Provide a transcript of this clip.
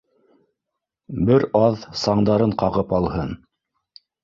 Бер аҙ саңдарын ҡағып алһын.